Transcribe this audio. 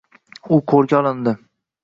U qo‘lga olindi